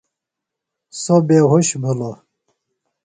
سوۡ بے ہُش بِھلوۡ۔